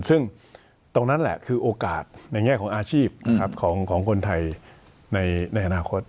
ซึ่งตรงนั้นแหละคือโอกาสในแง่ของอาชีพของคนไทยในอนาคต